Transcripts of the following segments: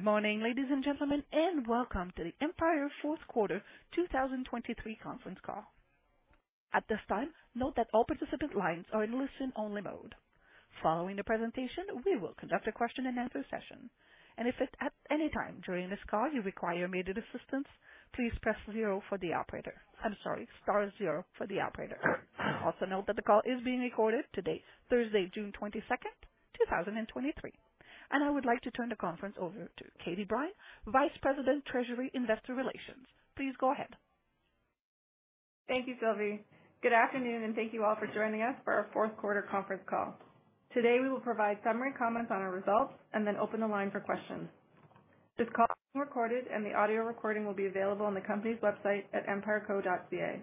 Good morning, ladies and gentlemen, welcome to the Empire fourth quarter, 2023 conference call. At this time, note that all participant lines are in listen-only mode. Following the presentation, we will conduct a question-and-answer session, if at any time during this call you require immediate assistance, please press 0 for the operator. I'm sorry, star 0 for the operator. Also, note that the call is being recorded today, Thursday, June 22, 2023, I would like to turn the conference over to Katie Brine, Vice President, Treasury Investor Relations. Please go ahead. Thank you, Sylvie. Good afternoon, thank you all for joining us for our fourth quarter conference call. Today, we will provide summary comments on our results and then open the line for questions. This call is recorded, and the audio recording will be available on the company's website at empireco.ca.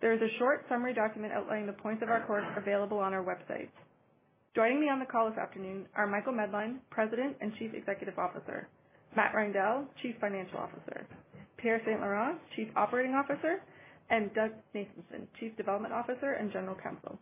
There is a short summary document outlining the points of our call available on our website. Joining me on the call this afternoon are Michael Medline, President and Chief Executive Officer, Matt Reindel, Chief Financial Officer, Pierre St-Laurent, Chief Operating Officer, and Doug Nathanson, Chief Development Officer and General Counsel.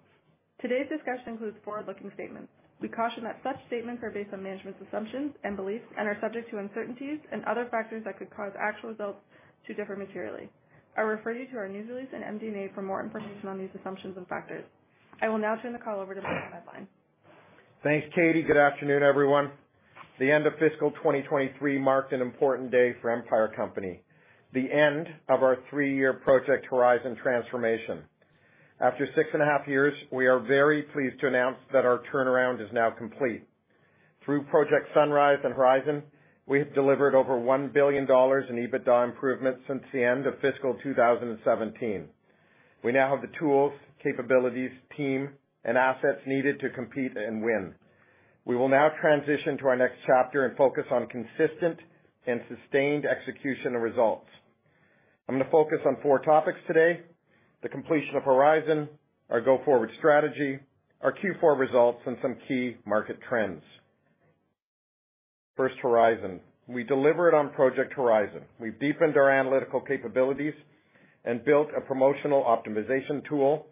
Today's discussion includes forward-looking statements. We caution that such statements are based on management's assumptions and beliefs and are subject to uncertainties and other factors that could cause actual results to differ materially. I refer you to our news release and MD&A for more information on these assumptions and factors. I will now turn the call over to Michael Medline. Thanks, Katie. Good afternoon, everyone. The end of fiscal 2023 marked an important day for Empire Company, the end of our three-year Project Horizon transformation. After 6 and a half years, we are very pleased to announce that our turnaround is now complete. Through Project Sunrise and Horizon, we have delivered over 1 billion dollars in EBITDA improvements since the end of fiscal 2017. We now have the tools, capabilities, team, and assets needed to compete and win. We will now transition to our next chapter and focus on consistent and sustained execution of results. I'm going to focus on four topics today: the completion of Horizon, our go-forward strategy, our Q4 results, and some key market trends. First, Horizon. We delivered on Project Horizon. We've deepened our analytical capabilities and built a promotional optimization tool,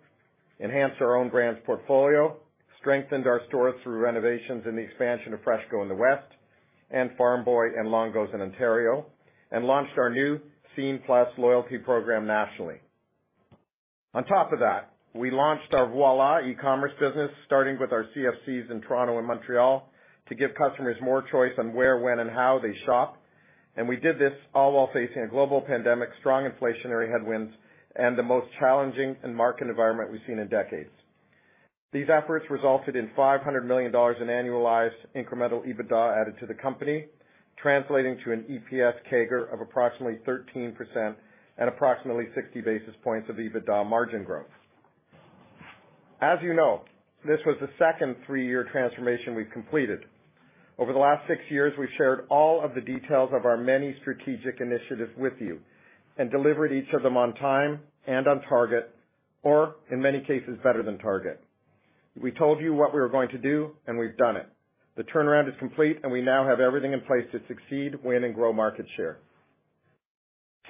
enhanced our own brands portfolio, strengthened our stores through renovations and the expansion of FreshCo in the West, Farm Boy and Longo's in Ontario, and launched our new Scene+ loyalty program nationally. On top of that, we launched our Voilà e-commerce business, starting with our CFCs in Toronto and Montreal, to give customers more choice on where, when, and how they shop. We did this all while facing a global pandemic, strong inflationary headwinds, and the most challenging market environment we've seen in decades. These efforts resulted in 500 million dollars in annualized incremental EBITDA added to the company, translating to an EPS CAGR of approximately 13% and approximately 60 basis points of EBITDA margin growth. As you know, this was the second three-year transformation we've completed. Over the last 6 years, we've shared all of the details of our many strategic initiatives with you and delivered each of them on time and on target, or in many cases, better than target. We told you what we were going to do, and we've done it. The turnaround is complete, and we now have everything in place to succeed, win, and grow market share.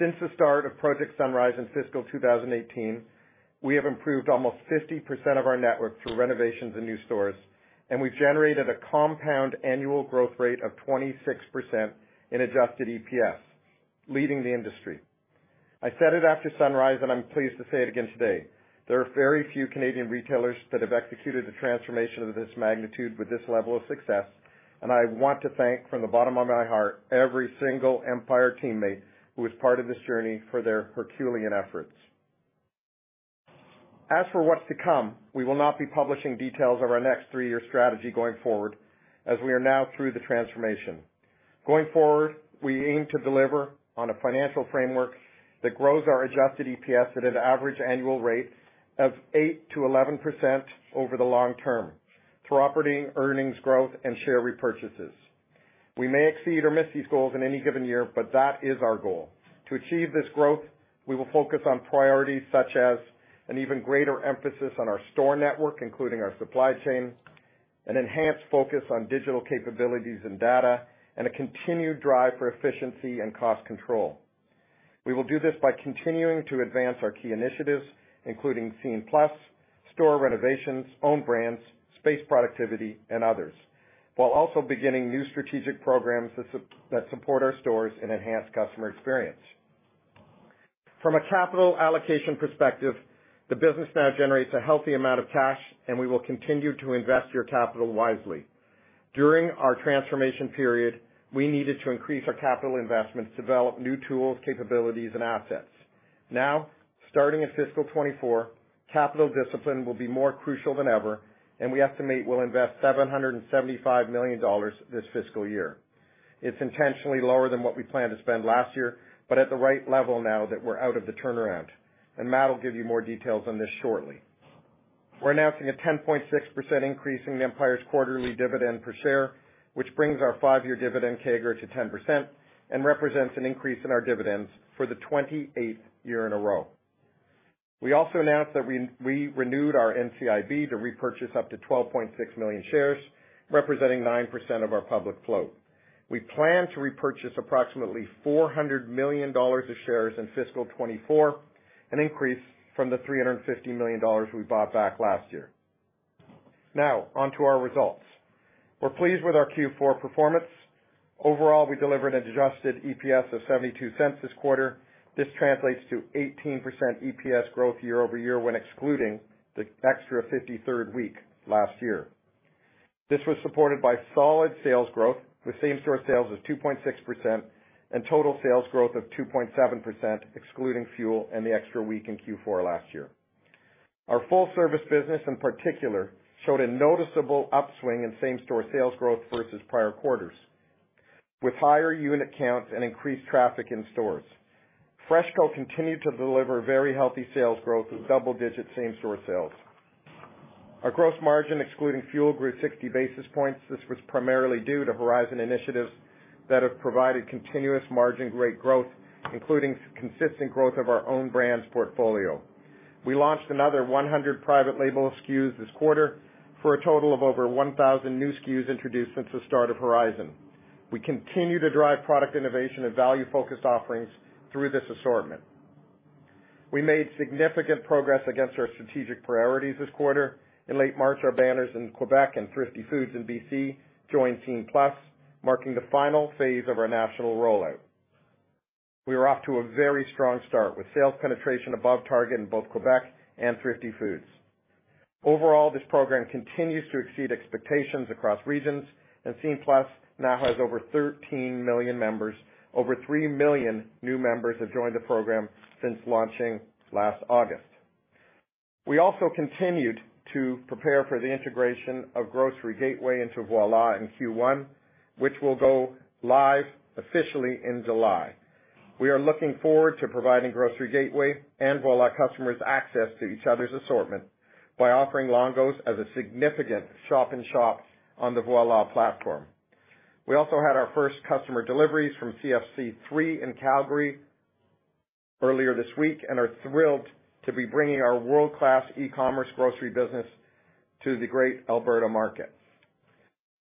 Since the start of Project Sunrise in fiscal 2018, we have improved almost 50% of our network through renovations and new stores, and we've generated a compound annual growth rate of 26% in adjusted EPS, leading the industry. I said it after Sunrise, and I'm pleased to say it again today: there are very few Canadian retailers that have executed a transformation of this magnitude with this level of success, and I want to thank from the bottom of my heart, every single Empire teammate who is part of this journey for their herculean efforts. As for what's to come, we will not be publishing details of our next 3-year strategy going forward, as we are now through the transformation. Going forward, we aim to deliver on a financial framework that grows our adjusted EPS at an average annual rate of 8%-11% over the long term through operating, earnings growth, and share repurchases. We may exceed or miss these goals in any given year, but that is our goal. To achieve this growth, we will focus on priorities such as an even greater emphasis on our store network, including our supply chain, an enhanced focus on digital capabilities and data, and a continued drive for efficiency and cost control. We will do this by continuing to advance our key initiatives, including Scene+, store renovations, own brands, space productivity, and others, while also beginning new strategic programs that support our stores and enhance customer experience. We will continue to invest your capital wisely. During our transformation period, we needed to increase our capital investments to develop new tools, capabilities, and assets. Starting in fiscal 2024, capital discipline will be more crucial than ever, and we estimate we'll invest 775 million dollars this fiscal year. It's intentionally lower than what we planned to spend last year, but at the right level now that we're out of the turnaround, and Matt will give you more details on this shortly. We're announcing a 10.6% increase in Empire's quarterly dividend per share, which brings our 5-year dividend CAGR to 10% and represents an increase in our dividends for the 28th year in a row. We also announced that we renewed our NCIB to repurchase up to 12.6 million shares, representing 9% of our public float. We plan to repurchase approximately 400 million dollars of shares in fiscal 2024, an increase from the 350 million dollars we bought back last year. Now, on to our results. We're pleased with our Q4 performance. Overall, we delivered an adjusted EPS of 0.72 this quarter. This translates to 18% EPS growth year-over-year, when excluding the extra 53rd week last year. This was supported by solid sales growth, with same-store sales of 2.6% and total sales growth of 2.7%, excluding fuel and the extra week in Q4 last year. Our full service business, in particular, showed a noticeable upswing in same-store sales growth versus prior quarters, with higher unit counts and increased traffic in stores. FreshCo continued to deliver very healthy sales growth with double-digit same-store sales. Our gross margin, excluding fuel, grew 60 basis points. This was primarily due to Project Horizon initiatives that have provided continuous margin rate growth, including consistent growth of our own brands portfolio. We launched another 100 private label SKUs this quarter for a total of over 1,000 new SKUs introduced since the start of Project Horizon. We continue to drive product innovation and value-focused offerings through this assortment. We made significant progress against our strategic priorities this quarter. In late March, our banners in Quebec and Thrifty Foods in B.C. joined Scene+, marking the final phase of our national rollout. We were off to a very strong start, with sales penetration above target in both Quebec and Thrifty Foods. Overall, this program continues to exceed expectations across regions, and Scene+ now has over 13 million members. Over 3 million new members have joined the program since launching last August. We also continued to prepare for the integration of Grocery Gateway into Voilà in Q1, which will go live officially in July. We are looking forward to providing Grocery Gateway and Voilà customers access to each other's assortment by offering Longo's as a significant shop-in-shop on the Voilà platform. We also had our first customer deliveries from CFC 3 in Calgary earlier this week, and are thrilled to be bringing our world-class e-commerce grocery business to the great Alberta market.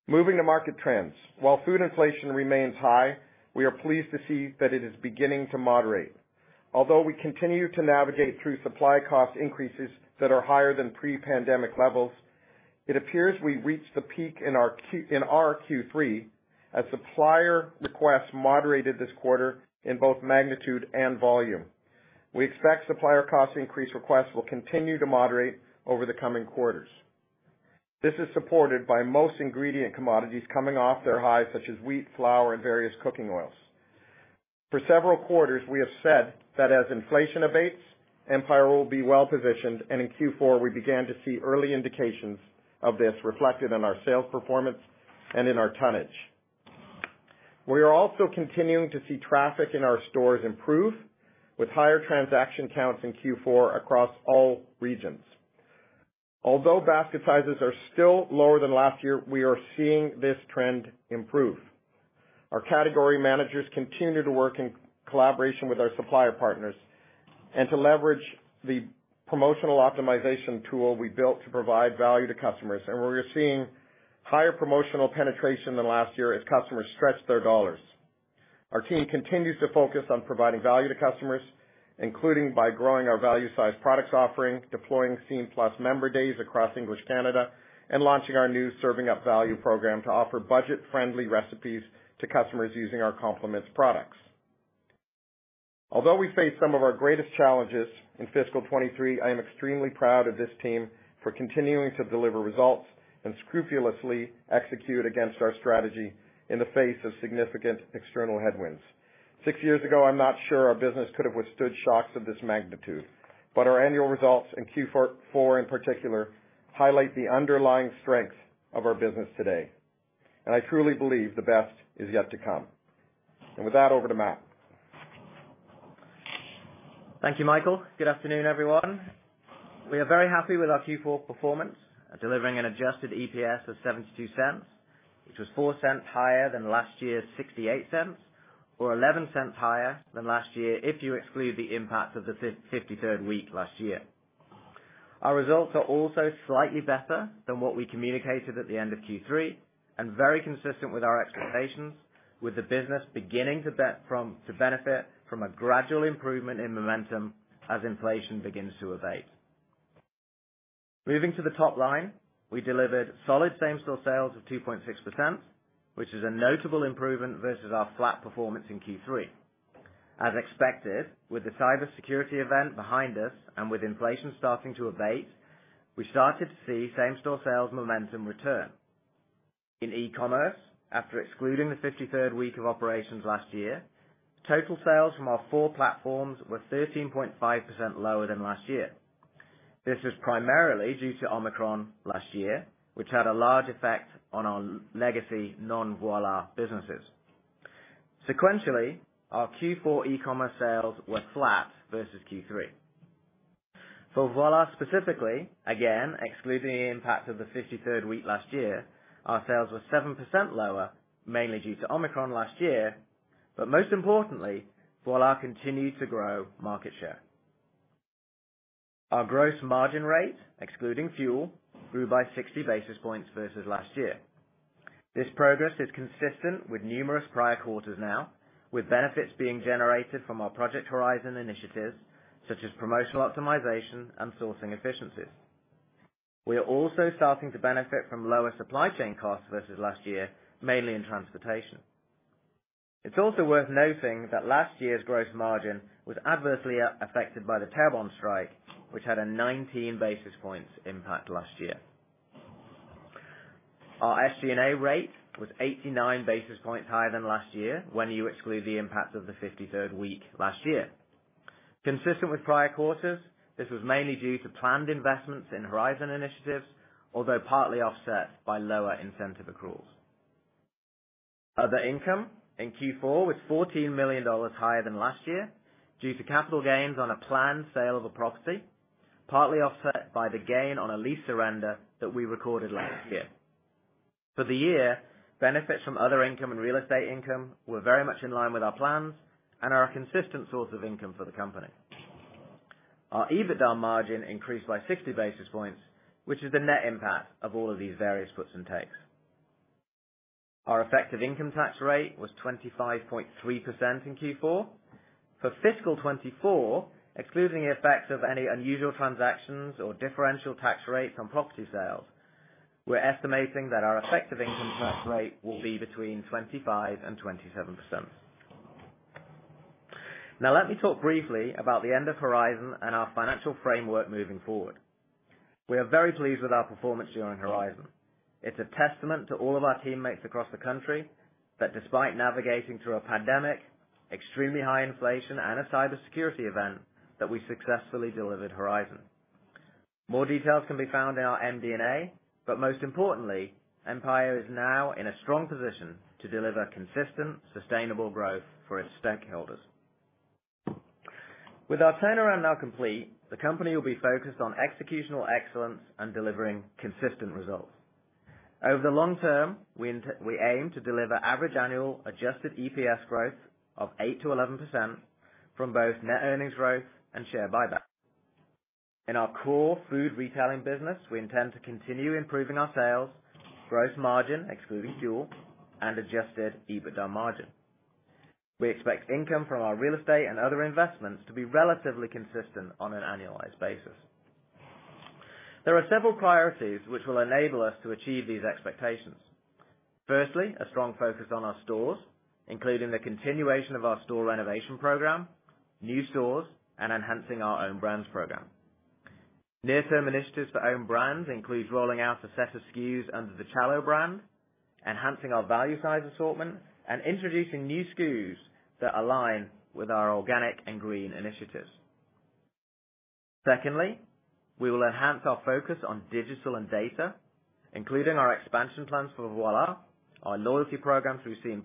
Moving to market trends. While food inflation remains high, we are pleased to see that it is beginning to moderate. Although we continue to navigate through supply cost increases that are higher than pre-pandemic levels, it appears we've reached the peak in our Q3, as supplier requests moderated this quarter in both magnitude and volume. We expect supplier cost increase requests will continue to moderate over the coming quarters. This is supported by most ingredient commodities coming off their highs, such as wheat, flour, and various cooking oils. For several quarters, we have said that as inflation abates, Empire will be well positioned, and in Q4, we began to see early indications of this reflected in our sales performance and in our tonnage. We are also continuing to see traffic in our stores improve, with higher transaction counts in Q4 across all regions. Although basket sizes are still lower than last year, we are seeing this trend improve. Our category managers continue to work in collaboration with our supplier partners and to leverage the promotional optimization tool we built to provide value to customers, and we are seeing higher promotional penetration than last year as customers stretch their dollars. Our team continues to focus on providing value to customers, including by growing our value-sized products offering, deploying Scene+ member days across English Canada, and launching our new Serving Up Value program to offer budget-friendly recipes to customers using our Compliments products. Although we face some of our greatest challenges in fiscal 2023, I am extremely proud of this team for continuing to deliver results and scrupulously execute against our strategy in the face of significant external headwinds. Six years ago, I'm not sure our business could have withstood shocks of this magnitude, our annual results in Q4 in particular, highlight the underlying strength of our business today, I truly believe the best is yet to come. With that, over to Matt. Thank you, Michael. Good afternoon, everyone. We are very happy with our Q4 performance, delivering an adjusted EPS of $0.72, which was $0.04 higher than last year's $0.68, or $0.11 higher than last year if you exclude the impact of the 53rd week last year. Our results are also slightly better than what we communicated at the end of Q3 and very consistent with our expectations, with the business beginning to benefit from a gradual improvement in momentum as inflation begins to abate. Moving to the top line, we delivered solid same-store sales of 2.6%, which is a notable improvement versus our flat performance in Q3. As expected, with the cybersecurity event behind us and with inflation starting to abate, we started to see same-store sales momentum return. In e-commerce, after excluding the 53rd week of operations last year, total sales from our four platforms were 13.5% lower than last year. This was primarily due to Omicron last year, which had a large effect on our legacy non-Voilà businesses. Sequentially, our Q4 e-commerce sales were flat versus Q3. For Voilà, specifically, again, excluding the impact of the 53rd week last year, our sales were 7% lower, mainly due to Omicron last year. Most importantly, Voilà continued to grow market share. Our gross margin rate, excluding fuel, grew by 60 basis points versus last year. This progress is consistent with numerous prior quarters now, with benefits being generated from our Project Horizon initiatives, such as promotional optimization and sourcing efficiencies. We are also starting to benefit from lower supply chain costs versus last year, mainly in transportation. It's also worth noting that last year's gross margin was adversely affected by the labour strike, which had a 19 basis points impact last year. Our SG&A rate was 89 basis points higher than last year when you exclude the impact of the 53rd week last year. Consistent with prior quarters, this was mainly due to planned investments in Horizon initiatives, although partly offset by lower incentive accruals. Other income in Q4 was 14 million dollars higher than last year, due to capital gains on a planned sale of a property, partly offset by the gain on a lease surrender that we recorded last year. For the year, benefits from other income and real estate income were very much in line with our plans and are a consistent source of income for the company. Our EBITDA margin increased by 60 basis points, which is the net impact of all of these various puts and takes. Our effective income tax rate was 25.3% in Q4. For fiscal 2024, excluding the effects of any unusual transactions or differential tax rates on property sales, we're estimating that our effective income tax rate will be between 25% and 27%. Let me talk briefly about the end of Horizon and our financial framework moving forward. We are very pleased with our performance during Horizon. It's a testament to all of our teammates across the country that despite navigating through a pandemic, extremely high inflation, and a cybersecurity event, that we successfully delivered Horizon. More details can be found in our MD&A, most importantly, Empire is now in a strong position to deliver consistent, sustainable growth for its stakeholders. With our turnaround now complete, the company will be focused on executional excellence and delivering consistent results. Over the long term, we aim to deliver average annual adjusted EPS growth of 8%-11% from both net earnings growth and share buyback. In our core food retailing business, we intend to continue improving our sales, gross margin, excluding fuel, and adjusted EBITDA margin. We expect income from our real estate and other investments to be relatively consistent on an annualized basis. There are several priorities which will enable us to achieve these expectations. Firstly, a strong focus on our stores, including the continuation of our store renovation program, new stores, and enhancing our own brands program. Near-term initiatives for own brands includes rolling out a set of SKUs under the Chalet brand, enhancing our value size assortment, and introducing new SKUs that align with our organic and green initiatives. We will enhance our focus on digital and data, including our expansion plans for Voilà, our loyalty program through Scene+,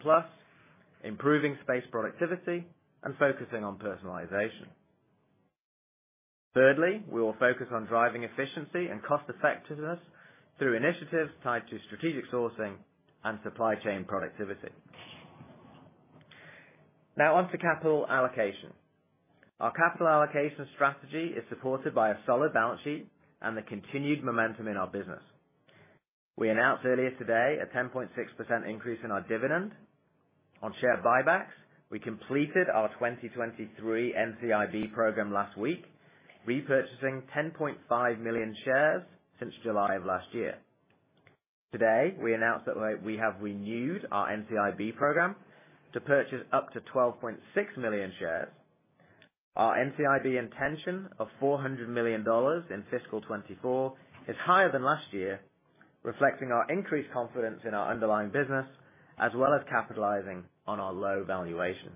improving space productivity, and focusing on personalization. We will focus on driving efficiency and cost effectiveness through initiatives tied to strategic sourcing and supply chain productivity. On to capital allocation. Our capital allocation strategy is supported by a solid balance sheet and the continued momentum in our business. We announced earlier today a 10.6% increase in our dividend. On share buybacks, we completed our 2023 NCIB program last week, repurchasing 10.5 million shares since July of last year. Today, we announced that we have renewed our NCIB program to purchase up to 12.6 million shares. Our NCIB intention of 400 million dollars in fiscal 2024 is higher than last year, reflecting our increased confidence in our underlying business, as well as capitalizing on our low valuation.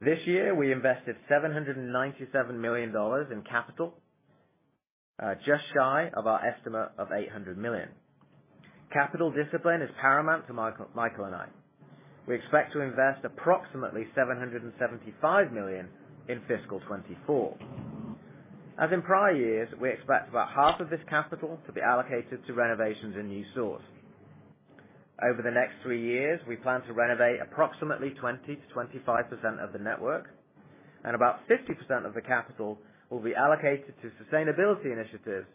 This year, we invested 797 million dollars in capital, just shy of our estimate of 800 million. Capital discipline is paramount to Michael and I. We expect to invest approximately 775 million in fiscal 2024. As in prior years, we expect about half of this capital to be allocated to renovations and new stores. Over the next 3 years, we plan to renovate approximately 20%-25% of the network, and about 50% of the capital will be allocated to sustainability initiatives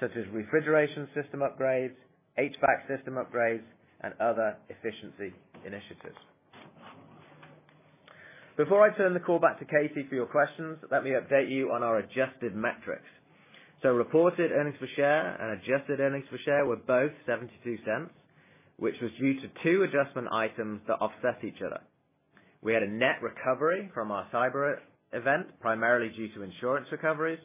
such as refrigeration system upgrades, HVAC system upgrades, and other efficiency initiatives. Before I turn the call back to Katie for your questions, let me update you on our adjusted metrics. Reported earnings per share and adjusted earnings per share were both $0.72, which was due to 2 adjustment items that offset each other. We had a net recovery from our cyber event, primarily due to insurance recoveries,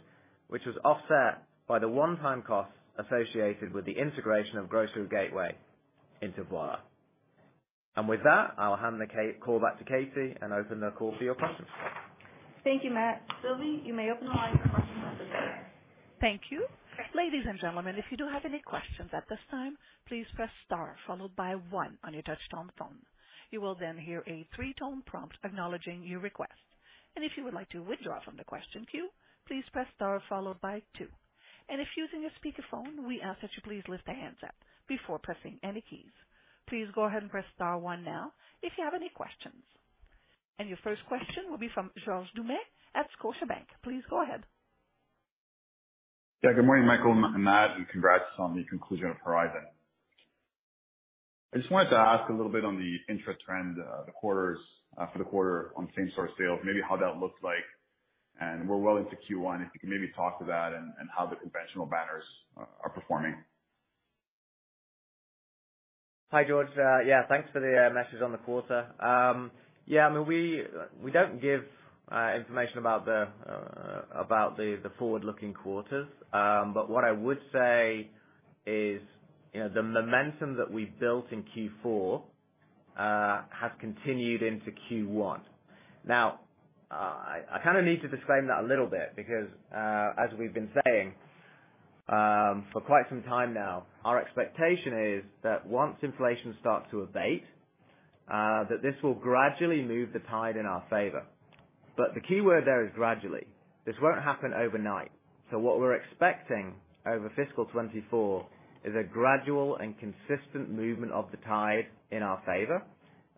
which was offset by the one-time costs associated with the integration of Grocery Gateway into Voilà. With that, I'll hand the call back to Katie and open the call for your questions. Thank you, Matt. Sylvie, you may open the line for questions at this time. Thank you. Ladies and gentlemen, if you do have any questions at this time, please press star followed by 1 on your touchtone phone. You will then hear a 3-tone prompt acknowledging your request. If you would like to withdraw from the question queue, please press star followed by 2. If using a speakerphone, we ask that you please lift the handset before pressing any keys. Please go ahead and press star 1 now if you have any questions. Your first question will be from George Doumet at Scotiabank. Please go ahead. Good morning, Michael and Matt, congrats on the conclusion of Horizon. I just wanted to ask a little bit on the interest trend, the quarters for the quarter on same store sales, maybe how that looks like, and we're well into Q1, if you can maybe talk to that and how the conventional banners are performing? Hi, George. Thanks for the message on the quarter. I mean, we don't give information about the forward-looking quarters. What I would say is, you know, the momentum that we've built in Q4 has continued into Q1. I kind of need to disclaim that a little bit because as we've been saying for quite some time now, our expectation is that once inflation starts to abate, that this will gradually move the tide in our favor. The key word there is gradually. This won't happen overnight. What we're expecting over fiscal 2024 is a gradual and consistent movement of the tide in our favor,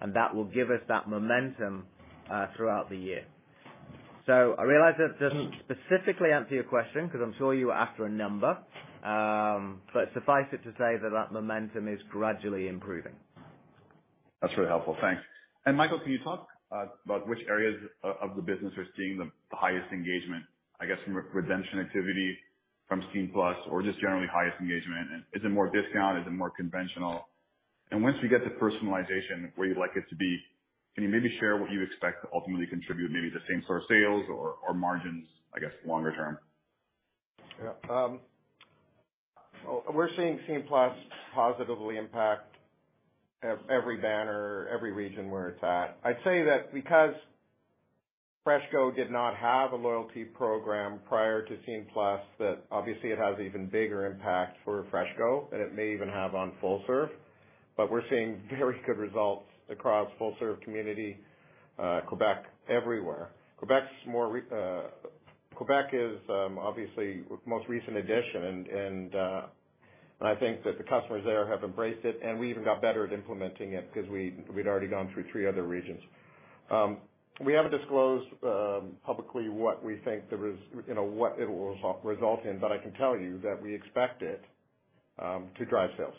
and that will give us that momentum throughout the year. I realize that doesn't specifically answer your question, 'cause I'm sure you were after a number. Suffice it to say that that momentum is gradually improving. That's really helpful. Thanks. Michael, can you talk about which areas of the business are seeing the highest engagement, I guess, from redemption activity, from Scene+ or just generally highest engagement? Is it more discount? Is it more conventional? Once we get to personalization where you'd like it to be, can you maybe share what you expect to ultimately contribute, maybe the same store of sales or margins, I guess, longer term? Yeah, well, we're seeing Scene+ positively impact every banner, every region where it's at. I'd say that because FreshCo did not have a loyalty program prior to Scene+, that obviously it has an even bigger impact for FreshCo than it may even have on full serve. We're seeing very good results across full serve community, Quebec, everywhere. Quebec is obviously most recent addition, and I think that the customers there have embraced it, and we even got better at implementing it because we'd already gone through three other regions. We haven't disclosed publicly what we think you know, what it will result in, but I can tell you that we expect it to drive sales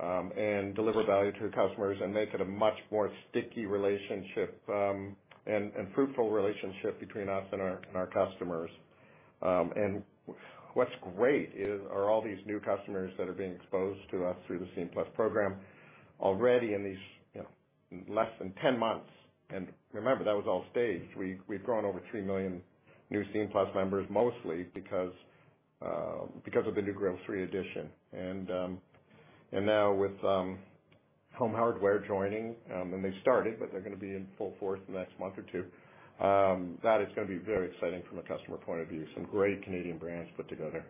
and deliver value to the customers and make it a much more sticky relationship and fruitful relationship between us and our customers. What's great is, are all these new customers that are being exposed to us through the Scene+ program already in these, you know, less than 10 months. Remember, that was all staged. We've grown over 3 million new Scene+ members, mostly because of the new Grocery addition. Now with Home Hardware joining, and they started, but they're gonna be in full force in the next month or two, that is gonna be very exciting from a customer point of view. Some great Canadian brands put together.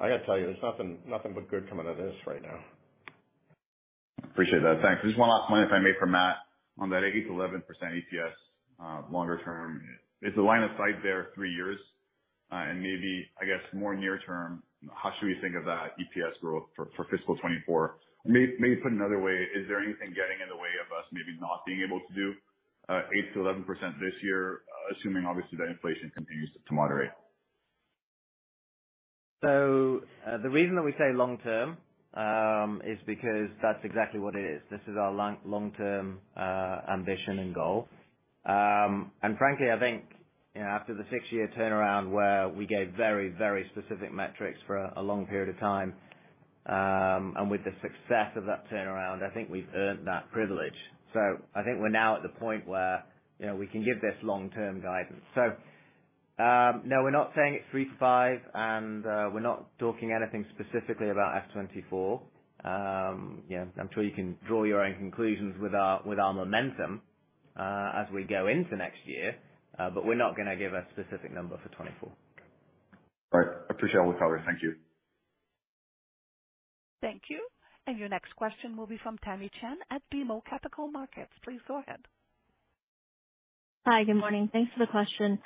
I gotta tell you, there's nothing but good coming out of this right now. Appreciate that. Thanks. Just one last point, if I may, for Matt, on that 8%-11% EPS, longer term, is the line of sight there three years? Maybe I guess more near term, how should we think of that EPS growth for fiscal 2024? Maybe put another way, is there anything getting in the way of us maybe not being able to do 8%-11% this year, assuming obviously that inflation continues to moderate? The reason that we say long term is because that's exactly what it is. This is our long-term ambition and goal. Frankly, I think, you know, after the six-year turnaround where we gave very specific metrics for a long period of time, and with the success of that turnaround, I think we've earned that privilege. I think we're now at the point where, you know, we can give this long-term guidance. No, we're not saying it's 3 to 5, and we're not talking anything specifically about F-24. You know, I'm sure you can draw your own conclusions with our momentum as we go into next year. But we're not going to give a specific number for 24. All right. Appreciate all the color. Thank you. Thank you. Your next question will be from Tamy Chen at BMO Capital Markets. Please go ahead. Hi, good morning. Thanks for the question.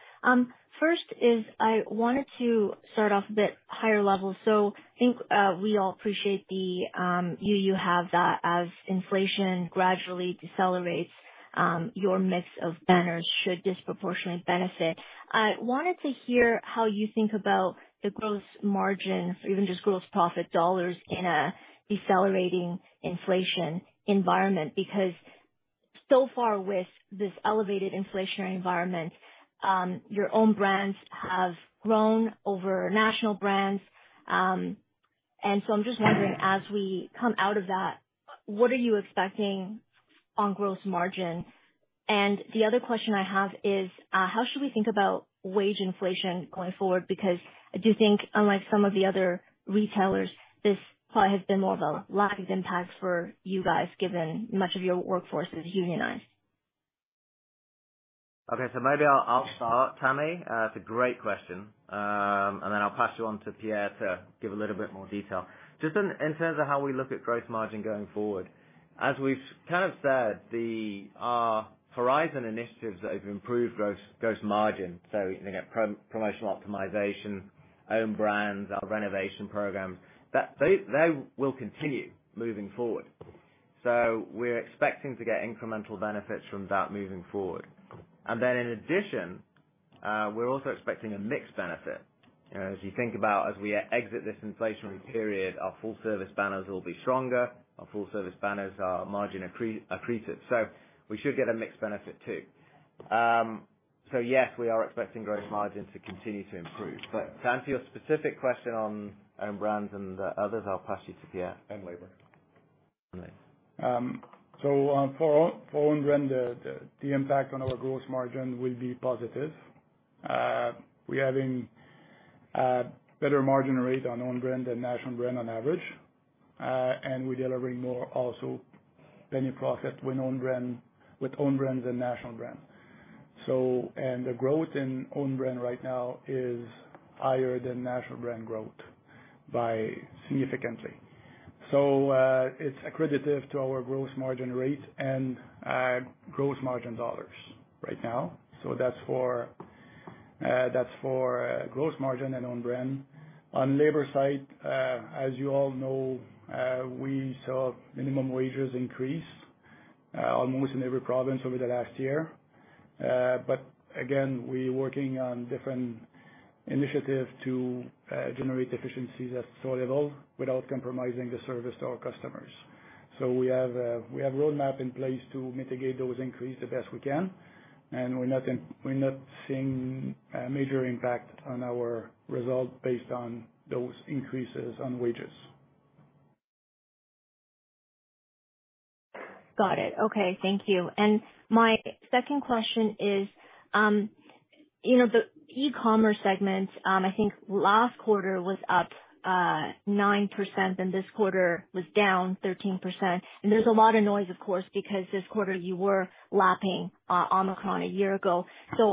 First is I wanted to start off a bit higher level. I think, we all appreciate the view you have, that as inflation gradually decelerates, your mix of banners should disproportionately benefit. I wanted to hear how you think about the gross margin or even just gross profit dollars in a decelerating inflation environment, because so far with this elevated inflationary environment, your own brands have grown over national brands. I'm just wondering, as we come out of that, what are you expecting on gross margin? The other question I have is, how should we think about wage inflation going forward? I do think unlike some of the other retailers, this probably has been more of a lag impact for you guys, given much of your workforce is unionized. Okay, so maybe I'll start, Tamy. It's a great question. Then I'll pass you on to Pierre to give a little bit more detail. Just in terms of how we look at gross margin going forward, as we've kind of said, our Horizon initiatives that have improved gross margin, so you can get promotional optimization, own brands, our renovation program, that they will continue moving forward. We're expecting to get incremental benefits from that moving forward. In addition, we're also expecting a mixed benefit. As you think about as we exit this inflationary period, our full service banners will be stronger, our full service banners are margin accreted. We should get a mixed benefit too. Yes, we are expecting gross margin to continue to improve. To answer your specific question on own brands and others, I'll pass you to Pierre and labor. For own brand, the impact on our gross margin will be positive. We're having better margin rate on own brand than national brand on average. We're delivering more also penny profit with own brands than national brand. The growth in own brand right now is higher than national brand growth by significantly. It's accretive to our gross margin rate and gross margin dollars right now. That's for gross margin and own brand. On labor side, as you all know, we saw minimum wages increase almost in every province over the last year. Again, we working on different initiatives to generate efficiencies at store level without compromising the service to our customers. We have roadmap in place to mitigate those increase the best we can. We're not seeing a major impact on our results based on those increases on wages. Got it. Okay, thank you. My second question is, you know, the e-commerce segment, I think last quarter was up 9%, and this quarter was down 13%. There's a lot of noise, of course, because this quarter you were lapping Omicron a year ago.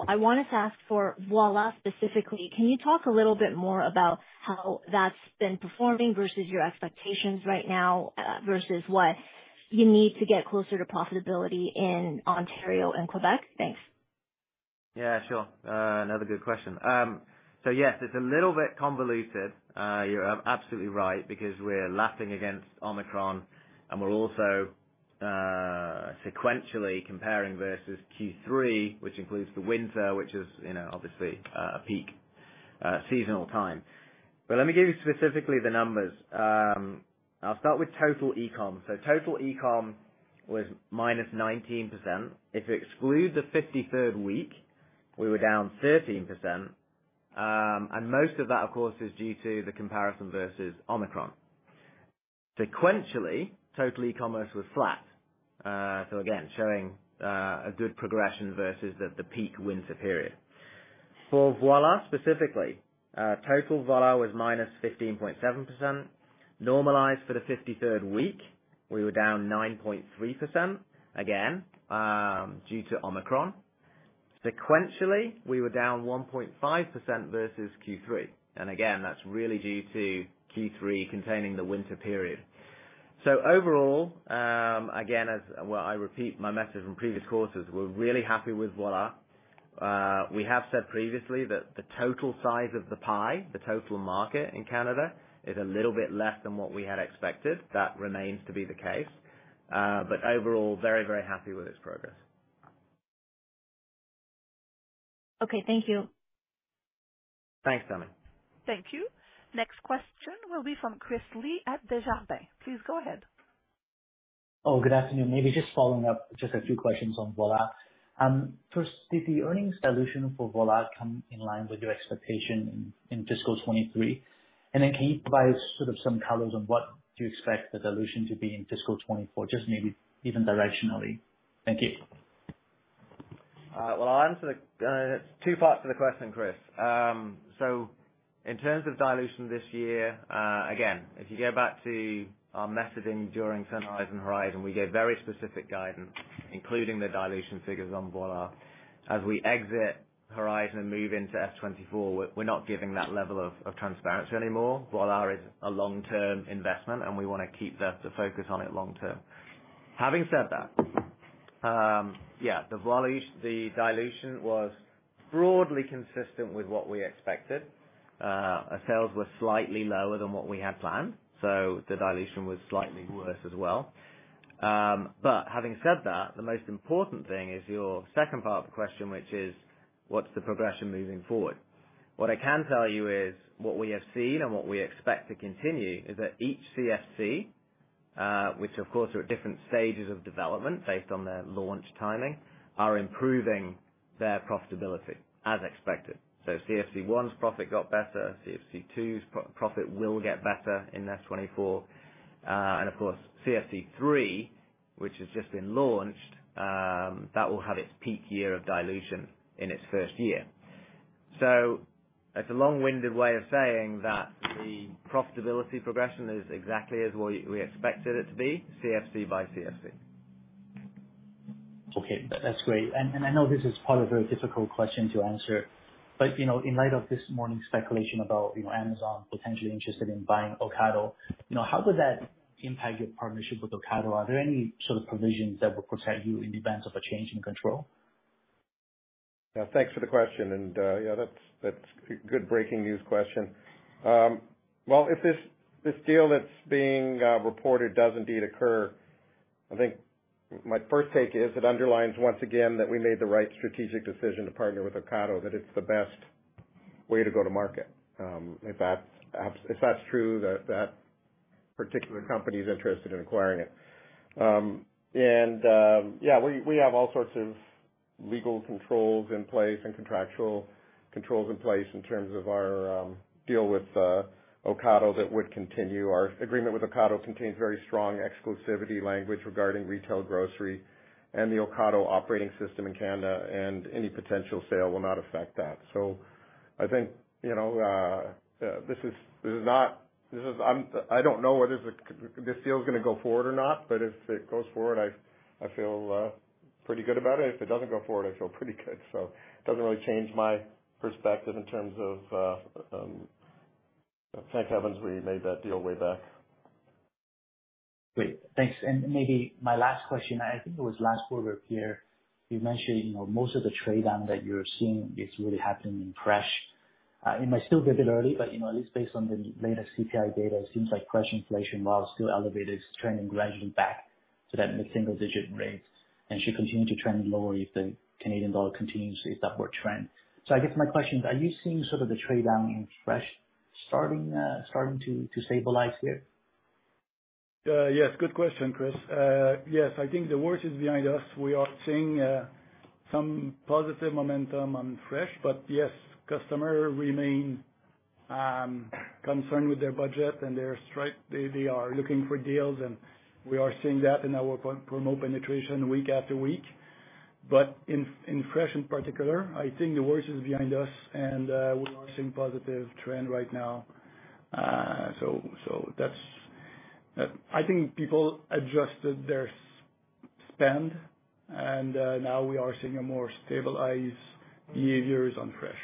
I wanted to ask for Voilà specifically, can you talk a little bit more about how that's been performing versus your expectations right now, versus what you need to get closer to profitability in Ontario and Quebec? Thanks. Yeah, sure. Another good question. Yes, it's a little bit convoluted. You're absolutely right, because we're lapping against Omicron, and we're also sequentially comparing versus Q3, which includes the winter, which is, you know, obviously, a peak seasonal time. Let me give you specifically the numbers. I'll start with total e-com. Total e-com was minus 19%. If you exclude the 53rd week, we were down 13%. Most of that, of course, is due to the comparison versus Omicron. Sequentially, total e-commerce was flat. Again, showing a good progression versus the peak winter period. For Voilà, specifically, total Voilà was minus 15.7%. Normalized for the 53rd week, we were down 9.3%, again, due to Omicron. Sequentially, we were down 1.5% versus Q3. Again, that's really due to Q3 containing the winter period. Overall, Well, I repeat my message from previous quarters, we're really happy with Voilà. We have said previously that the total size of the pie, the total market in Canada, is a little bit less than what we had expected. That remains to be the case. Overall, very, very happy with this progress. Okay. Thank you. Thanks, Tamy. Thank you. Next question will be from Chris Li at Desjardins. Please go ahead. Good afternoon. Maybe just following up, just a few questions on Voilà. First, did the earnings dilution for Voilà come in line with your expectation in fiscal 2023? Can you provide sort of some colors on what you expect the dilution to be in fiscal 2024, just maybe even directionally? Thank you. Well, I'll answer the 2 parts to the question, Chris. In terms of dilution this year, again, if you go back to our messaging during Sunrise and Horizon, we gave very specific guidance, including the dilution figures on Voilà. As we exit Horizon and move into F-24, we're not giving that level of transparency anymore. Voilà is a long-term investment, and we wanna keep the focus on it long term. Having said that, the dilution was broadly consistent with what we expected. Our sales were slightly lower than what we had planned, the dilution was slightly worse as well. Having said that, the most important thing is your second part of the question, which is, what's the progression moving forward? What I can tell you is, what we have seen and what we expect to continue, is that each CFC, which of course are at different stages of development based on their launch timing, are improving their profitability as expected. CFC 1's profit got better, CFC 2's profit will get better in S-2024. Of course, CFC 3, which has just been launched, that will have its peak year of dilution in its first year. It's a long-winded way of saying that the profitability progression is exactly as we expected it to be, CFC by CFC. Okay, that's great. I know this is probably a very difficult question to answer, but, you know, in light of this morning's speculation about, you know, Amazon potentially interested in buying Ocado, you know, how could that impact your partnership with Ocado? Are there any sort of provisions that would protect you in the event of a change in control? Yeah, thanks for the question. Yeah, that's a good breaking news question. Well, if this deal that's being reported does indeed occur, I think my first take is it underlines once again that we made the right strategic decision to partner with Ocado, that it's the best way to go to market, if that's true, that particular company is interested in acquiring it. Yeah, we have all sorts of legal controls in place and contractual controls in place in terms of our deal with Ocado, that would continue. Our agreement with Ocado contains very strong exclusivity language regarding retail, grocery, and the Ocado operating system in Canada, and any potential sale will not affect that. I think, you know, this is not, this is... I don't know whether this deal is gonna go forward or not, but if it goes forward, I feel pretty good about it. If it doesn't go forward, I feel pretty good. Doesn't really change my perspective in terms of thank heavens we made that deal way back. Great. Thanks. Maybe my last question, I think it was last quarter, Pierre, you mentioned most of the trade down that you're seeing is really happening in fresh. It might still be a bit early, but, you know, at least based on the latest CPI data, it seems like fresh inflation, while still elevated, is trending gradually back to that mid-single digit rates and should continue to trend lower if the Canadian dollar continues its upward trend. I guess my question is, are you seeing sort of the trade down in fresh starting to stabilize here? Yes, good question, Chris. Yes, I think the worst is behind us. We are seeing some positive momentum on fresh. Yes, customer remain concerned with their budget and they are looking for deals, and we are seeing that in our promo penetration week after week. In fresh, in particular, I think the worst is behind us, and we are seeing positive trend right now. That's. I think people adjusted their spend, and now we are seeing a more stabilized behaviors on fresh.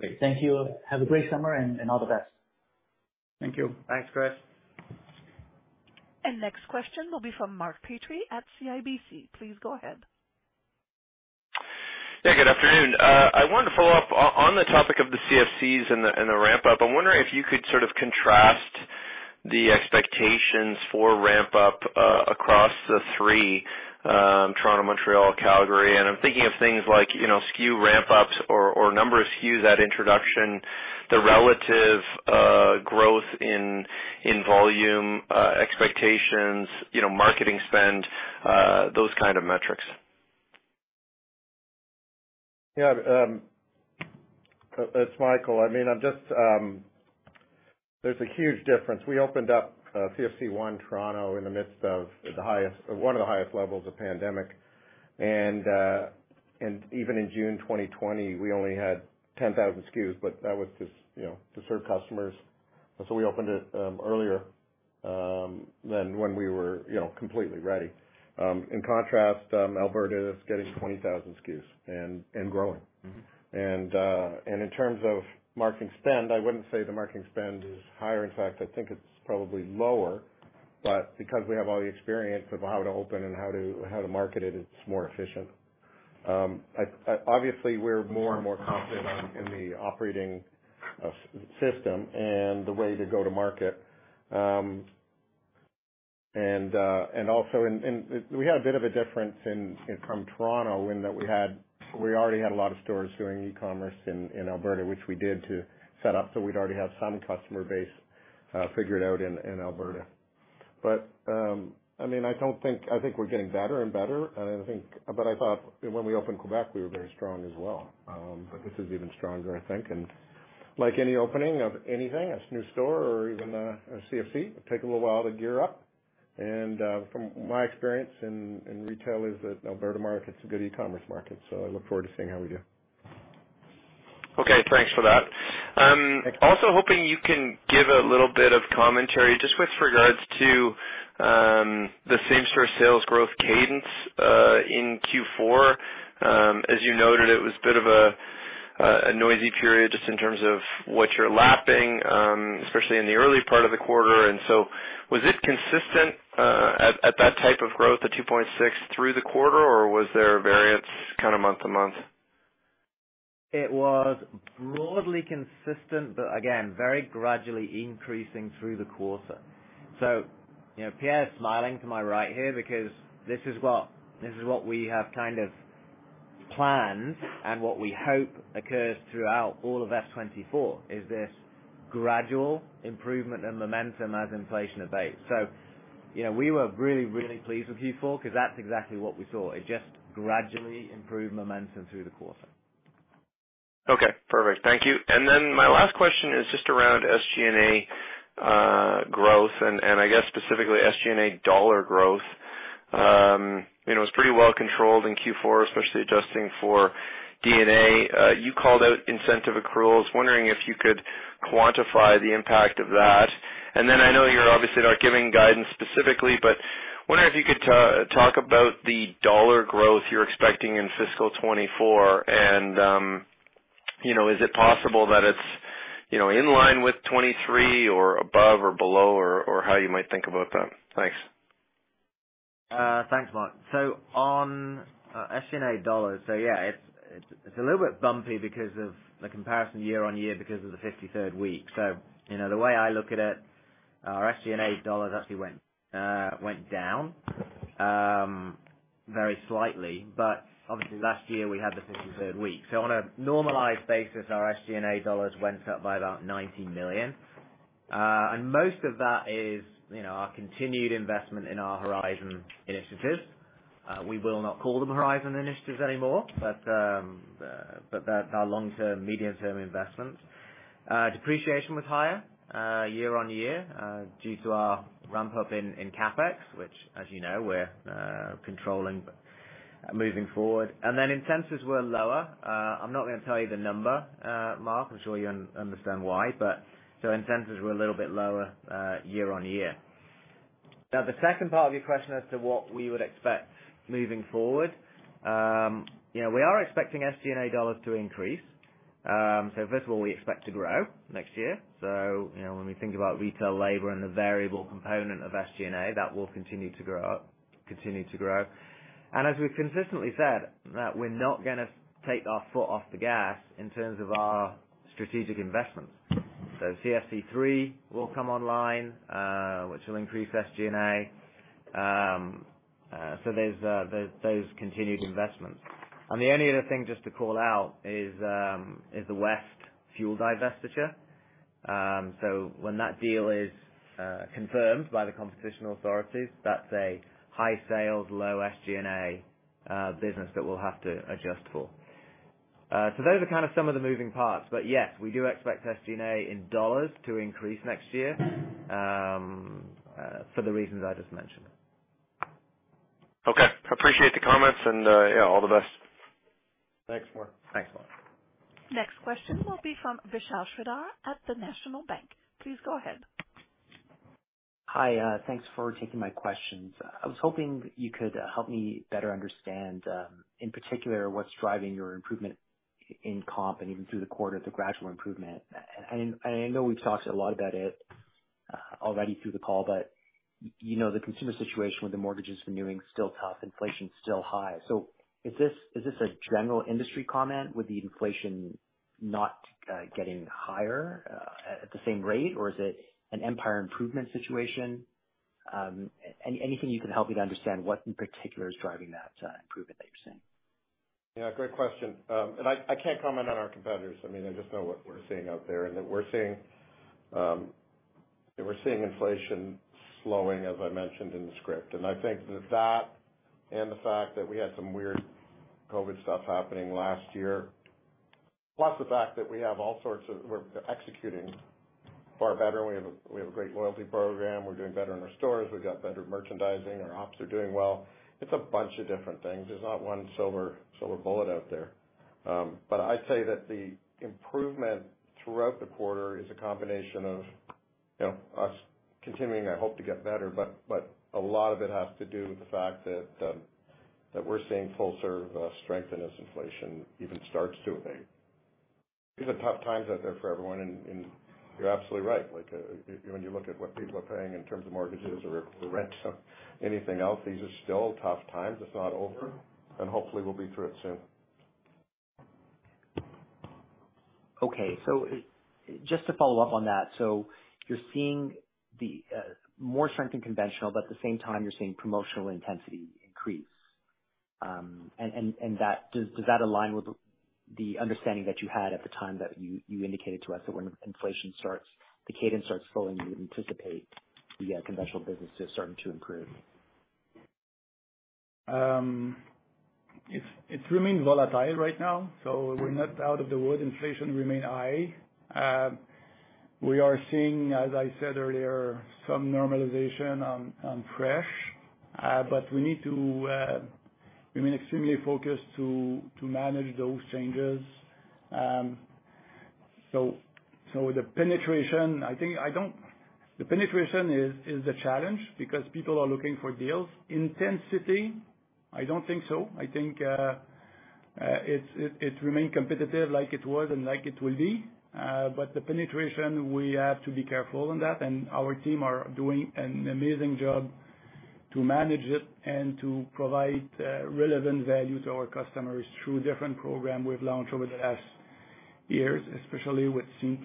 Great. Thank you. Have a great summer, and all the best. Thank you. Thanks, Chris. Next question will be from Mark Petrie at CIBC. Please go ahead. Good afternoon. I wanted to follow up on the topic of the CFCs and the ramp up. I'm wondering if you could sort of contrast the expectations for ramp up across the three, Toronto, Montreal, Calgary, and I'm thinking of things like, you know, SKU ramp ups or number of SKUs at introduction, the relative growth in volume expectations, you know, marketing spend, those kind of metrics? Yeah, it's Michael. I mean, I'm just. There's a huge difference. We opened up CFC 1 Toronto in the midst of the highest, one of the highest levels of pandemic, and even in June 2020, we only had 10,000 SKUs, but that was to, you know, to serve customers. We opened it earlier than when we were, you know, completely ready. In contrast, Alberta is getting 20,000 SKUs and growing. In terms of marketing spend, I wouldn't say the marketing spend is higher. In fact, I think it's probably lower, but because we have all the experience of how to open and how to market it's more efficient. I Obviously, we're more and more confident in the operating system and the way to go to market. Also, we had a bit of a difference from Toronto, in that we already had a lot of stores doing e-commerce in Alberta, which we did to set up. So we'd already have some customer base figured out in Alberta. I mean, I don't think I think we're getting better and better, and I think, but I thought when we opened Quebec, we were very strong as well. This is even stronger, I think, and like any opening of anything, a new store or even a CFC, it takes a little while to gear up. From my experience in retail is that Alberta market's a good e-commerce market, so I look forward to seeing how we do. Okay, thanks for that. Thanks. Also hoping you can give a little bit of commentary just with regards to the same store sales growth cadence in Q4. As you noted, it was a bit of a noisy period just in terms of what you're lapping, especially in the early part of the quarter. Was it consistent at that type of growth, the 2.6, through the quarter, or was there a variance kind of month-to-month? It was broadly consistent, but again, very gradually increasing through the quarter. you know, Pierre is smiling to my right here because this is what we have kind of planned and what we hope occurs throughout all of S24, is this gradual improvement and momentum as inflation abates. you know, we were really pleased with Q4 because that's exactly what we saw. It just gradually improved momentum through the quarter. Okay, perfect. Thank you. My last question is just around SG&A growth, and I guess specifically SG&A dollar growth. You know, it's pretty well controlled in Q4, especially adjusting for D&A. You called out incentive accruals. Wondering if you could quantify the impact of that. I know you're obviously not giving guidance specifically but wondering if you could talk about the dollar growth you're expecting in fiscal 2024 and... You know, is it possible that it's, you know, in line with 23 or above or below, or how you might think about that? Thanks. Thanks, Mark. On SG&A dollars, yeah, it's a little bit bumpy because of the comparison year-over-year because of the 53rd week. You know, the way I look at it, our SG&A dollars actually went down very slightly, but obviously last year we had the 53rd week. On a normalized basis, our SG&A dollars went up by about 90 million. Most of that is, you know, our continued investment in our Horizon initiatives. We will not call them Horizon initiatives anymore, but that's our long-term, medium-term investments. Depreciation was higher year-over-year due to our ramp up in CapEx, which as you know, we're controlling moving forward. Then incentives were lower. I'm not going to tell you the number, Mark Petrie, I'm sure you understand why, incentives were a little bit lower year-over-year. The second part of your question as to what we would expect moving forward. We are expecting SG&A dollars to increase. First of all, we expect to grow next year. You know, when we think about retail labor and the variable component of SG&A, that will continue to grow. As we've consistently said, that we're not going to take our foot off the gas in terms of our strategic investments. CFC 3 will come online, which will increase SG&A. There's those continued investments. The only other thing just to call out is the Western Fuel divestiture. When that deal is confirmed by the competition authorities, that's a high sales, low SG&A business that we'll have to adjust for. Those are kind of some of the moving parts, but yes, we do expect SG&A in dollars to increase next year, for the reasons I just mentioned. Okay. Appreciate the comments, yeah, all the best. Thanks, Mark. Thanks, Mark. Next question will be from Vishal Shreedhar at the National Bank. Please go ahead. Hi, thanks for taking my questions. I was hoping you could help me better understand, in particular, what's driving your improvement in comp and even through the quarter, the gradual improvement. I know we've talked a lot about it already through the call, but, you know, the consumer situation with the mortgages renewing is still tough, inflation's still high. Is this, is this a general industry comment, with the inflation not getting higher at the same rate, or is it an Empire improvement situation? Anything you can help me to understand what in particular is driving that improvement that you're seeing? Yeah, great question. I can't comment on our competitors. I mean, I just know what we're seeing out there, that we're seeing inflation slowing, as I mentioned in the script. I think that that and the fact that we had some weird COVID stuff happening last year, plus the fact that we have all sorts of. We're executing far better. We have a great loyalty program. We're doing better in our stores. We've got better merchandising. Our ops are doing well. It's a bunch of different things. There's not one silver bullet out there. I'd say that the improvement throughout the quarter is a combination of, you know, us continuing, I hope to get better, but a lot of it has to do with the fact that we're seeing full serve strength in as inflation even starts to wane. These are tough times out there for everyone, and you're absolutely right. Like, when you look at what people are paying in terms of mortgages or rent, anything else, these are still tough times. It's not over, and hopefully we'll be through it soon. Just to follow up on that, so you're seeing the more strength in conventional, but at the same time, you're seeing promotional intensity increase. That does that align with the understanding that you had at the time that you indicated to us that when inflation starts, the cadence starts flowing, you would anticipate the conventional business to starting to improve? It remains volatile right now. We're not out of the woods. Inflation remain high. We are seeing, as I said earlier, some normalization on fresh, we need to remain extremely focused to manage those changes. The penetration is a challenge because people are looking for deals. Intensity, I don't think so. I think it remain competitive like it was and like it will be. The penetration, we have to be careful on that. Our team are doing an amazing job to manage it and to provide relevant value to our customers through different program we've launched over the last years, especially with Scene+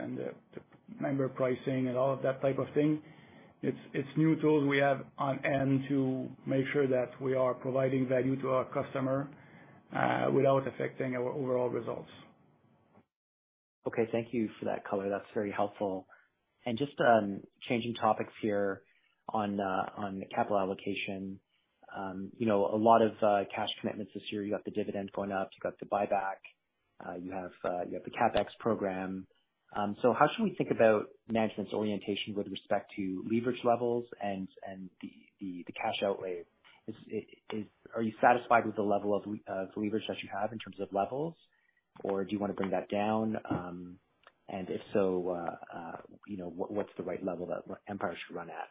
and the member pricing and all of that type of thing. It's new tools we have on hand to make sure that we are providing value to our customer, without affecting our overall results. Okay. Thank you for that color. That's very helpful. Just changing topics here on capital allocation. You know, a lot of cash commitments this year. You got the dividend going up, you got the buyback, you have the CapEx program. How should we think about management's orientation with respect to leverage levels and the cash outlay? Are you satisfied with the level of leverage that you have in terms of levels, or do you want to bring that down? If so, you know, what's the right level that Empire should run at?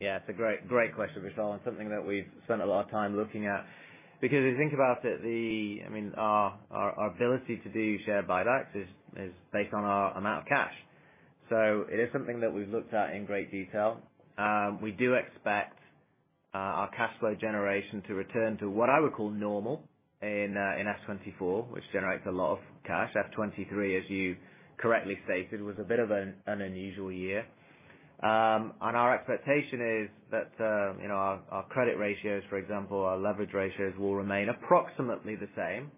Yeah, it's a great question, Vishal, and something that we've spent a lot of time looking at. Because if you think about it, I mean, our ability to do share buybacks is based on our amount of cash. It is something that we've looked at in great detail. We do expect our cash flow generation to return to what I would call normal in F24, which generates a lot of cash. F23, as you correctly stated, was a bit of an unusual year. Our expectation is that, you know, our credit ratios, for example, our leverage ratios, will remain approximately the same.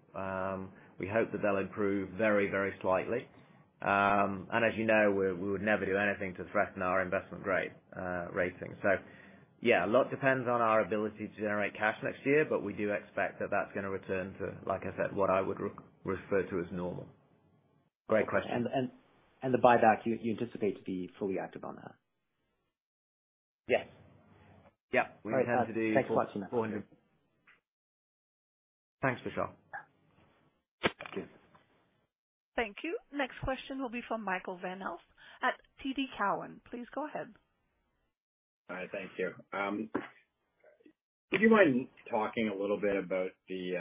We hope that they'll improve very slightly. As you know, we would never do anything to threaten our investment grade rating. Yeah, a lot depends on our ability to generate cash next year, but we do expect that that's gonna return to, like I said, what I would re-refer to as normal. Great question. The buyback, you anticipate to be fully active on that? Yes. Yeah, we have to. Thanks for watching that. CAD 400. Thanks, Vishal. Thank you. Next question will be from Michael Van Aelst at TD Cowen. Please go ahead. Hi. Thank you. Would you mind talking a little bit about the,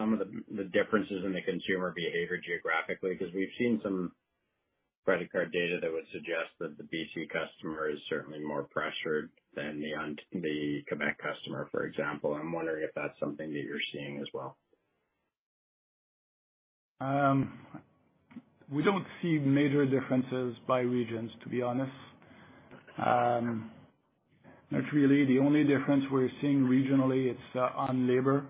some of the differences in the consumer behavior geographically? Because we've seen some credit card data that would suggest that the B.C. customer is certainly more pressured than the Quebec customer, for example. I'm wondering if that's something that you're seeing as well. We don't see major differences by regions, to be honest. Not really. The only difference we're seeing regionally, it's on labor.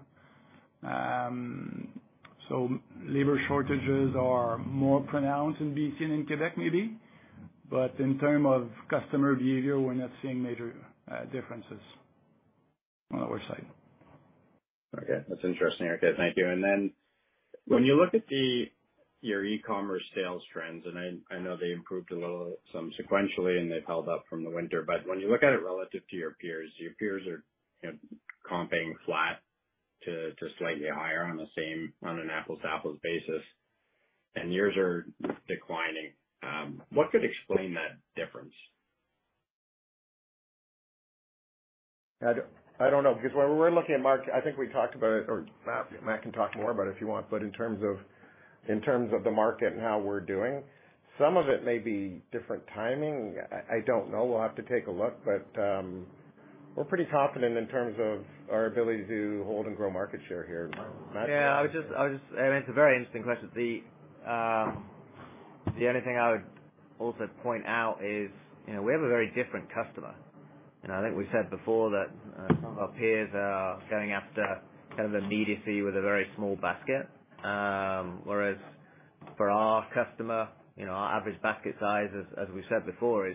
Labor shortages are more pronounced in BC than in Quebec, maybe. In term of customer behavior, we're not seeing major differences on our side. Okay. That's interesting, Eric. Thank you. When you look at your e-commerce sales trends, I know they improved a little some sequentially, and they've held up from the winter. When you look at it relative to your peers, your peers are, you know, comping flat to slightly higher on the same on an apples-to-apples basis, and yours are declining. What could explain that difference? I don't know, because when we're looking at market, I think we talked about it, or Matt can talk more about it if you want, but in terms of the market and how we're doing, some of it may be different timing. I don't know. We'll have to take a look, but we're pretty confident in terms of our ability to hold and grow market share here. Matt? Yeah, I was just... It's a very interesting question. The only thing I would also point out is, you know, we have a very different customer. You know, I think we said before that, some of our peers are going after kind of immediacy with a very small basket. Whereas for our customer, you know, our average basket size, as we said before, is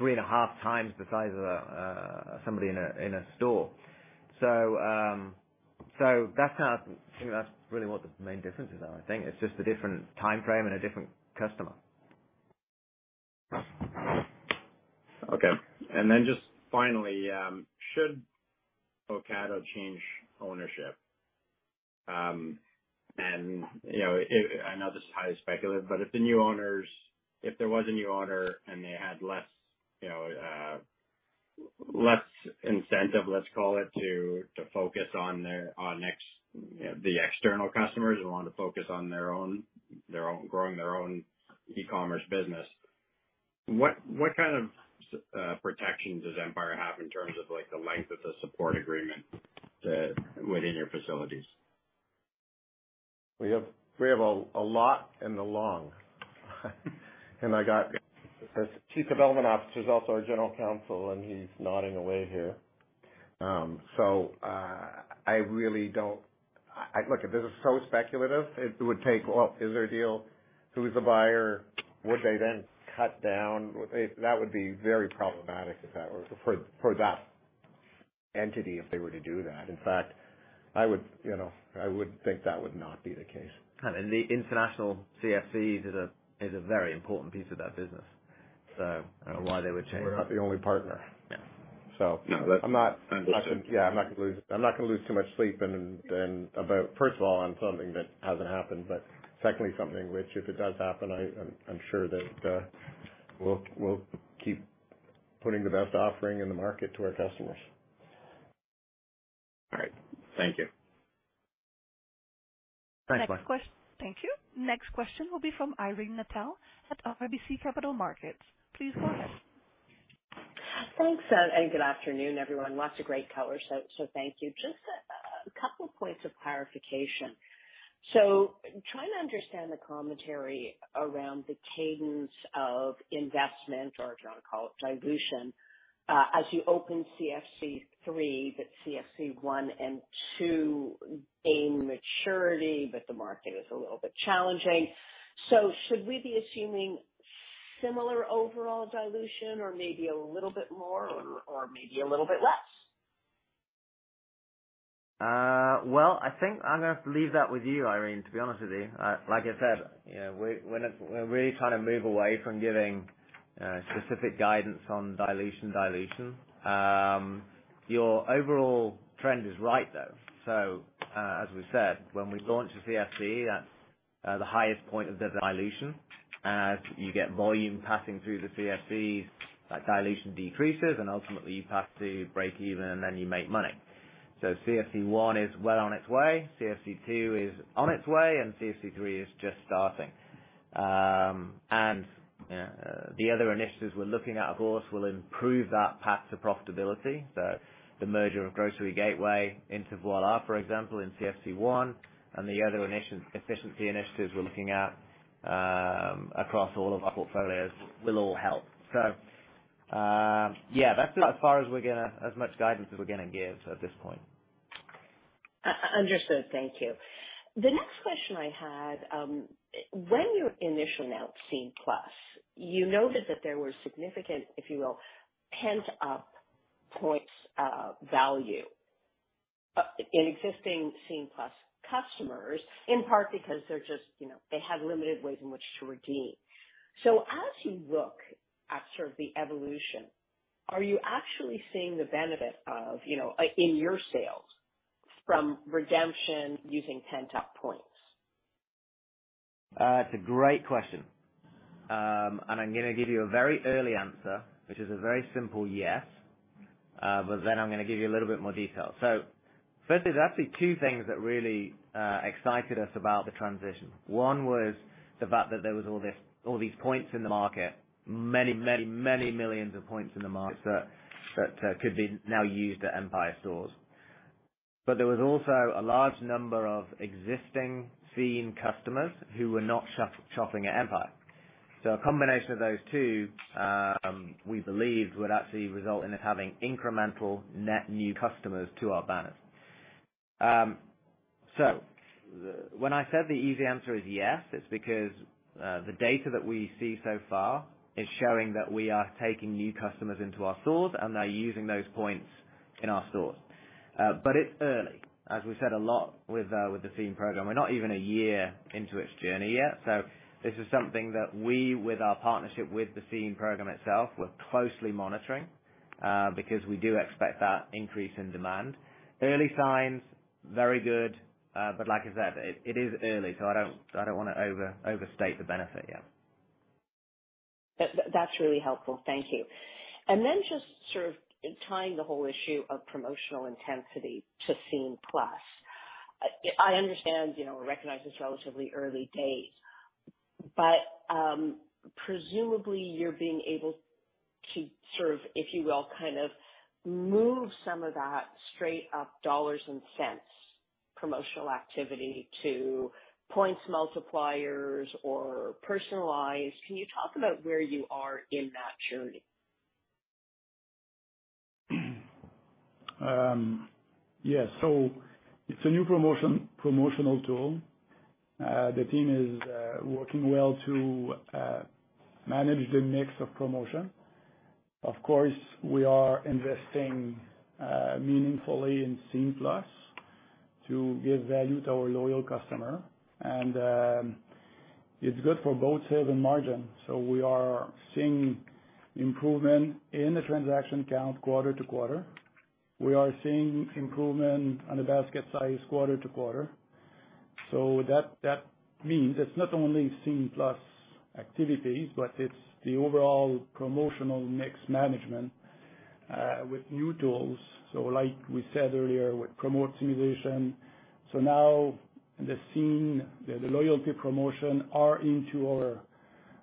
3.5 times the size of a, somebody in a store. That's kind of, I think that's really what the main difference is, though. I think it's just a different time frame and a different customer. Okay. Just finally, should Ocado change ownership, and, you know, I know this is highly speculative, but if the new owners, if there was a new owner and they had less, you know, less incentive, let's call it, to focus on their, you know, the external customers and wanted to focus on their own, growing their own e-commerce business, what kind of protections does Empire have in terms of, like, the length of the support agreement, within your facilities? We have a lot and a long. I got his Chief Development Officer is also our General Counsel, and he's nodding away here. I really don't. Look, this is so speculative. It would take, is there a deal? Who's the buyer? Would they then cut down? That would be very problematic if that was for that entity, if they were to do that. In fact, I would, you know, I would think that would not be the case. The international CFCs is a very important piece of that business, so I don't know why they would change. We're not the only partner. Yeah. I'm not- Understood. Yeah, I'm not gonna lose too much sleep and then about first of all, on something that hasn't happened, but secondly, something which, if it does happen, I'm sure that we'll keep putting the best offering in the market to our customers. All right. Thank you. Thanks, Mike. Thank you. Next question will be from Irene Nattel at RBC Capital Markets. Please go ahead. Thanks. Good afternoon, everyone. Lots of great color, so thank you. Just a couple points of clarification. Trying to understand the commentary around the cadence of investment or if you wanna call it dilution, as you open CFC 3, that CFC 1 and 2 gain maturity, but the market is a little bit challenging. Should we be assuming similar overall dilution or maybe a little bit more or maybe a little bit less? Well, I think I'm gonna have to leave that with you, Irene, to be honest with you. Like I said, you know, we're really trying to move away from giving specific guidance on dilution. Your overall trend is right, though. As we said when we launched CFC, the highest point of the dilution. As you get volume passing through the CFCs, that dilution decreases, and ultimately, you pass to breakeven, and then you make money. CFC 1 is well on its way, CFC 2 is on its way, and CFC 3 is just starting. Yeah, the other initiatives we're looking at, of course, will improve that path to profitability. The merger of Grocery Gateway into Voilà, for example, in CFC 1, and the other efficiency initiatives we're looking at, across all of our portfolios will all help. Yeah, that's as much guidance as we're gonna give at this point. Understood. Thank you. The next question I had, when you initially announced Scene+, you noted that there were significant, if you will, pent-up points, value, in existing Scene+ customers, in part because they're just, you know, they had limited ways in which to redeem. As you look at sort of the evolution, are you actually seeing the benefit of, you know, in your sales from redemption using pent-up points? It's a great question. I'm gonna give you a very early answer, which is a very simple yes. I'm gonna give you a little bit more detail. First, there's actually two things that really excited us about the transition. One was the fact that there was all these points in the market, many, many, many millions of points in the market that could be now used at Empire Stores. There was also a large number of existing Scene+ customers who were not shopping at Empire. A combination of those two, we believed would actually result in us having incremental net new customers to our banners. When I said the easy answer is yes, it's because the data that we see so far is showing that we are taking new customers into our stores, and they're using those points in our stores. It's early. As we said, a lot with the Scene+ program, we're not even a year into its journey yet, so this is something that we, with our partnership with the Scene+ program itself, we're closely monitoring, because we do expect that increase in demand. Early signs, very good. Like I said, it is early, so I don't, I don't wanna overstate the benefit yet. That's really helpful. Thank you. Then just sort of tying the whole issue of promotional intensity to Scene+. I understand, you know, we recognize it's relatively early days, but, presumably you're being able to sort of, if you will, kind of move some of that straight up dollars and cents promotional activity to points multipliers or personalized. Can you talk about where you are in that journey? Yes. It's a new promotion, promotional tool. The team is working well to manage the mix of promotion. Of course, we are investing meaningfully in Scene+ to give value to our loyal customer, and it's good for both sales and margin. We are seeing improvement in the transaction count quarter-over-quarter. We are seeing improvement on the basket size quarter-over-quarter. That means it's not only Scene+ activities, but it's the overall promotional mix management with new tools. Like we said earlier, with promote optimization. Now the Scene, the loyalty promotion, are into our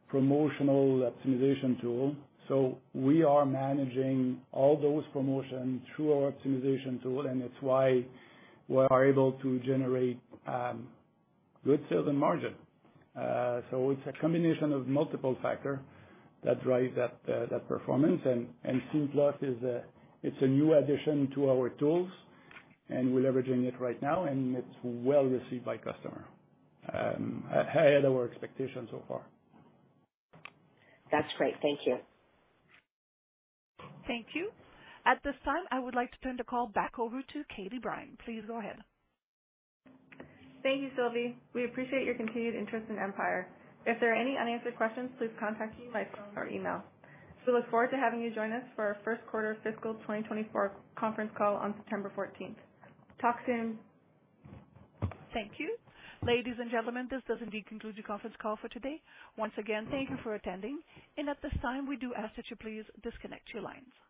promotional optimization tool. We are managing all those promotions through our optimization tool, and it's why we are able to generate good sales and margin. It's a combination of multiple factor that drive that performance. Scene+ is a new addition to our tools, and we're leveraging it right now, and it's well received by customer, higher our expectations so far. That's great. Thank you. Thank you. At this time, I would like to turn the call back over to Katie Brine. Please go ahead. Thank you, Sylvie. We appreciate your continued interest in Empire. If there are any unanswered questions, please contact me by phone or email. We look forward to having you join us for our first quarter fiscal 2024 conference call on September 14th. Talk soon. Thank you. Ladies and gentlemen, this does indeed conclude the conference call for today. Once again, thank you for attending, and at this time, we do ask that you please disconnect your lines.